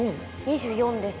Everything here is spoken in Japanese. ２４です。